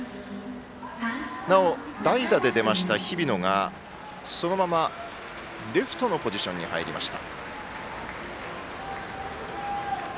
なお、代打で出ました日比野がそのままレフトのポジションに入りました。